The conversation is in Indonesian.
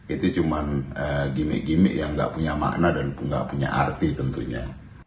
itu cuma gimmick gimmick yang gak punya makna dan nggak punya arti tentunya